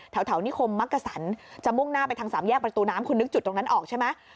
นิคมมักกะสันจะมุ่งหน้าไปทางสามแยกประตูน้ำคุณนึกจุดตรงนั้นออกใช่ไหม